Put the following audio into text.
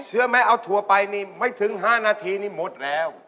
แม้เอาถั่วไปนี่ไม่ถึง๕นาทีนี่หมดแล้ว